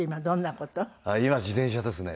今自転車ですね。